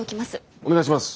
お願いします。